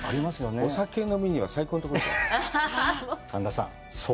お酒飲みには最高のところでしょう？